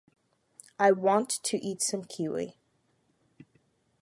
I want to eat some kiwi.